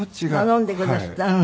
頼んでくだすった。